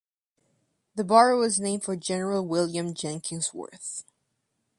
The borough is named for General William Jenkins Worth.